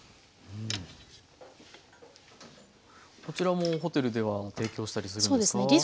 こちらもホテルでは提供したりするんですか？